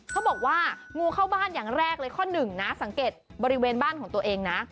เขาบอกว่างูเข้าบ้านอย่างแรกเลยข้อหนึ่งนะสังเกตบริเวณบ้านของตัวเองนะ